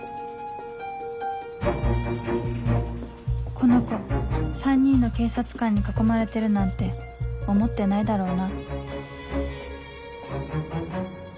この子３人の警察官に囲まれてるなんて思ってないだろうな